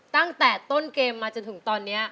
ตั้งแต่ต้นเกมมาจนถึงตอนนี้